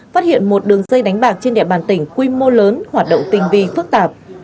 phát hiện một đường dây đánh bạc trên địa bàn tỉnh quy mô lớn hoạt động tình vi phức tạp